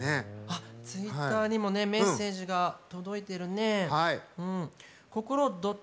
ツイッターにもメッセージが届いてるね。